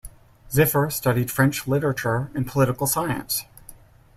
Ziffer studied French literature and political science.